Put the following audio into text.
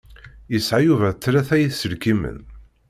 Yesεa Yuba tlata iselkimen.